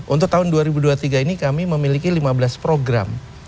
untuk tahun dua ribu dua puluh tiga ini kami memiliki lima belas program